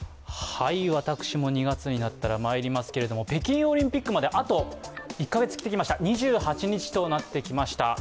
私も２月になったら参りますけれども、北京オリンピックまで、あと１カ月切ってきました、２８日となってきました。